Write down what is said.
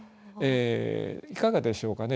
いかがでしょうかね？